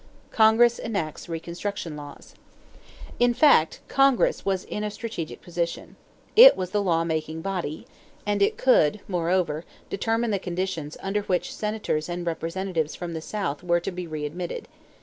=Congress Enacts "Reconstruction Laws."= In fact, Congress was in a strategic position. It was the law making body, and it could, moreover, determine the conditions under which Senators and Representatives from the South were to be readmitted.